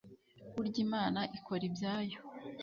burya imana ikora ibyayo